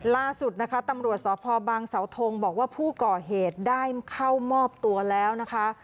ล่าสุดนะคะตำรวจสพบังเสาทงบอกว่าผู้ก่อเหตุได้เข้ามอบตัวแล้วนะคะ